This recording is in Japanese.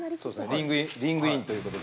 リングインということで。